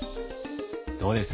どうです？